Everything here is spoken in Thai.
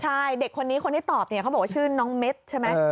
ใช่เด็กคนนี้คนที่ตอบเนี่ยเขาบอกว่าชื่อน้องเม็ดใช่ไหม